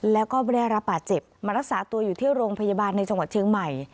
แล้วก็ไม่ได้รับบาดเจ็บมารักษาตัวอยู่ที่โรงพยาบาลในจังหวัดเชียงใหม่